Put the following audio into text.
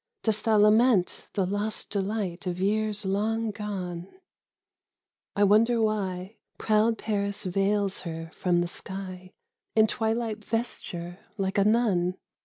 Dost thou lament the lost delight Of years long gone? I wonder why Proud Paris veils her from the sky In twilight vesture like a nun?